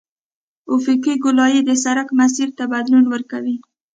افقي ګولایي د سرک مسیر ته بدلون ورکوي